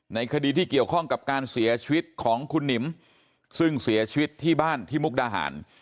ในคดีที่เกี่ยวข้องกับการเสียชีวิตของคุณหนิมซึ่งเสียชีวิตที่บ้านที่มุกดาหาร